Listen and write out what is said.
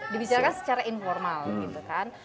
dibicarakan secara informal gitu kan